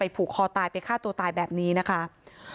พี่สาวบอกว่าไม่ได้ไปกดยกเลิกรับสิทธิ์นี้ทำไม